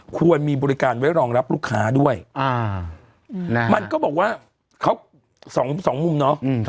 ควรมีบริการไว้รองรับลูกค้าด้วยมันก็บอกว่าเขาสองมุมเนาะ